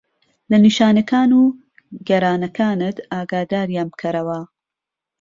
لە نیشانەکان و گەرانەکانت ئاگاداریان بکەرەوە.